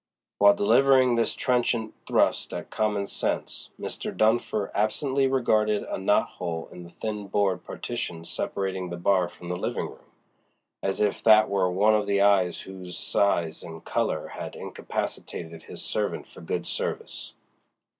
While delivering this trenchant thrust at common sense Mr. Dunfer absently regarded a knot hole in the thin board partition separating the bar from the living room, as if that were one of the eyes whose size and color had incapacitated his servant for good service.